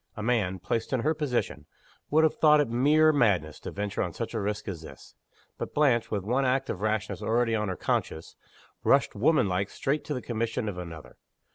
A man, placed in her position, would have thought it mere madness to venture on such a risk as this. But Blanche with one act of rashness already on her conscience rushed, woman like, straight to the commission of another.